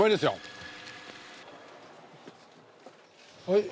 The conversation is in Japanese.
はい。